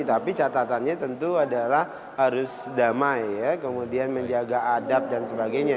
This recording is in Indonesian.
tapi catatannya tentu adalah harus damai ya kemudian menjaga adab dan sebagainya